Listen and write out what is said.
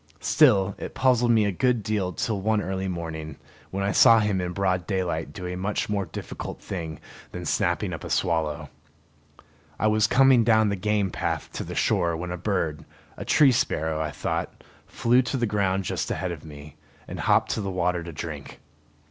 Still it puzzled me a good deal till one early morning, when I saw him in broad daylight do a much more difficult thing than snapping up a swallow. I was coming down the game path to the shore when a bird, a tree sparrow I thought, flew to the ground just ahead of me, and hopped to the water to drink.